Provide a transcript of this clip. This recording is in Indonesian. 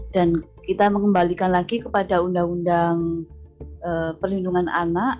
dan kita mengembalikan lagi kepada undang undang perlindungan anak